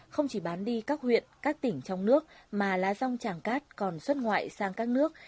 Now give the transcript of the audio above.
không chỉ bán đi các huyện các tỉnh trong nước mà lá rong tràng cát còn xuất ngoại sang các nước